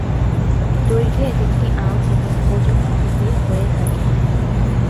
দৈর্ঘ্যে একেকটি আম এবং ওজনে থেকে হয়ে থাকে।